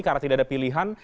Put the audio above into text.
karena tidak ada pilihan